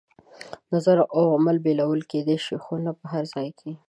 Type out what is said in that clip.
نظر او عمل بېلولو کېدای شي، خو نه په هر ځای کې.